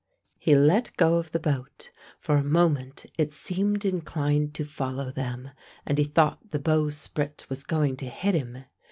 He let go of the boat. For a moment it seemed inclined to follow them, and he thought the bowsprit was going to hit him.